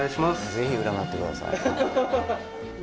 ぜひ占ってください。